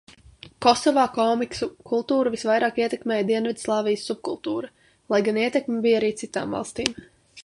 Kosovā komiksu kultūru visvairāk ietekmēja Dienvidslāvijas subkultūra, lai gan ietekme bija arī citām valstīm.